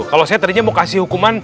kalau saya tadinya mau kasih hukuman